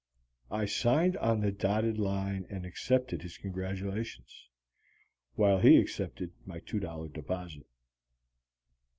I signed on the dotted line and accepted his congratulations, while he accepted my two dollar deposit.